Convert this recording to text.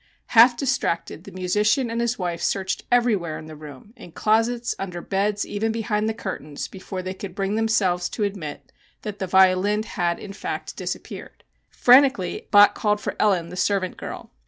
Half distracted the musician and his wife searched everywhere in the room, in closets, under beds, even behind the curtains, before they could bring themselves to admit that the violin had in fact disappeared. Frantically Bott called for Ellen, the servant girl.